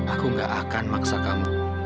aku gak akan maksa kamu